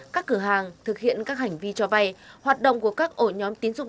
các cửa hàng thực hiện các hành vi cho vay hoạt động của các ổ nhóm tín dụng